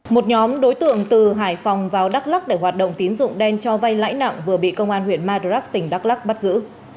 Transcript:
một nhóm đối tượng từ hải phòng vào đắk lắc để hoạt động tín dụng đen cho vay lãi nặng vừa bị công an huyện madrak tỉnh đắk lắc bắt giữ